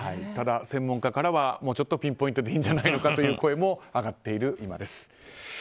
ただ、専門家からはもうちょっとピンポイントでいいんじゃないかという声が上がっている今です。